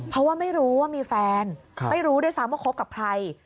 เพราะว่าไม่รู้ว่ามีแฟนไม่รู้ด้วยซ้ำว่าคบกับใคร